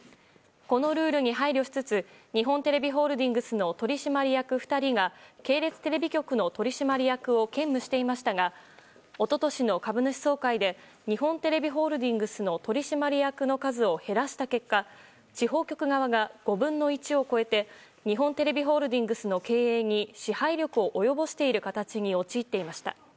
このルールに配慮しつつ日本テレビホールディングスの取締役２人が系列テレビ局の取締役を兼務していましたが一昨年の株主総会で日本テレビホールディングスの取締役の数を減らした結果地方局側が５分の１を超えて日本テレビホールディングスの経営に支配力を及ぼしている形に陥っていました。